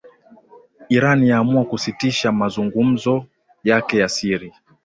Iran yaamua kusitisha mazungumzo yake ya siri